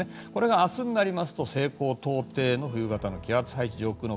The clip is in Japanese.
明日になりますと西高東低の冬型の気圧配置。